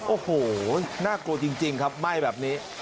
โอ้โหน่ากลัวจริงครับไหม้แบบนี้